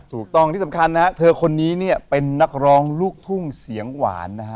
ถูกต้องที่สำคัญนะฮะเธอคนนี้เนี่ยเป็นนักร้องลูกทุ่งเสียงหวานนะฮะ